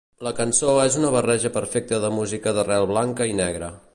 La cançó és una barreja perfecta de música d'arrel blanca i negra.